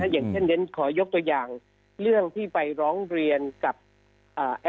อย่างเช่นเรียนขอยกตัวอย่างเรื่องที่ไปร้องเรียนกับอ่า